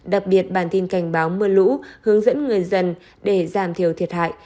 đặc biệt bản tin cảnh báo mưa lũ hướng dẫn người dân để giảm thiểu thiệt hại